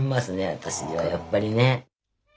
私はやっぱりね。